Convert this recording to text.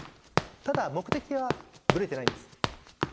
ただ目的はぶれてないんです。